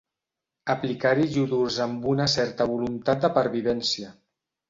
Aplicar-hi iodurs amb una certa voluntat de pervivència.